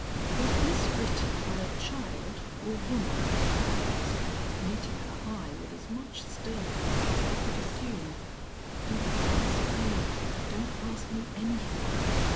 "Was this written by a child or woman?" I asked, meeting her eye with as much sternness as I could assume. "Don't ask me don't ask me anything.